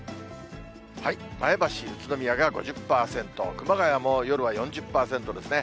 前橋、宇都宮が５０％、熊谷も夜は４０％ですね。